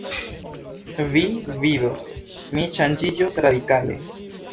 Vi vidos, mi ŝanĝiĝos radikale.